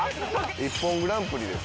ＩＰＰＯＮグランプリです。